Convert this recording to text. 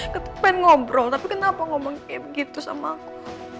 gitu pengen ngobrol tapi kenapa ngomong kayak begitu sama aku